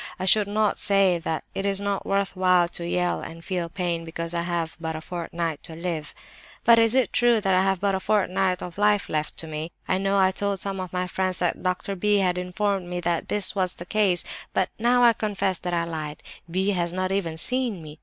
I should not say that it is not worth while to yell and feel pain because I have but a fortnight to live. "But is it true that I have but a fortnight of life left to me? I know I told some of my friends that Doctor B. had informed me that this was the case; but I now confess that I lied; B. has not even seen me.